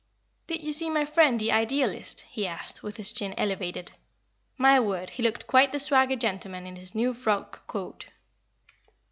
"Did you see my friend the Idealist!" he asked, with his chin elevated. "My word, he looked quite the swagger gentleman in his new frock coat."